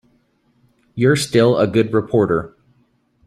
You're still a good reporter.